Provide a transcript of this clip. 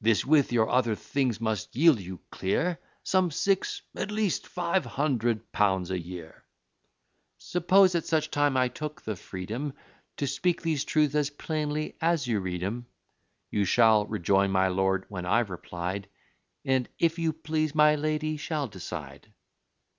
This, with your other things, must yield you clear Some six at least five hundred pounds a year." Suppose, at such a time, I took the freedom To speak these truths as plainly as you read 'em; You shall rejoin, my lord, when I've replied, And, if you please, my lady shall decide.